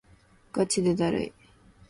ガチでだるい